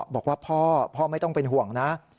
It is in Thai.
บอกว่าพ่อพ่อไม่ต้องเป็นห่วงนะ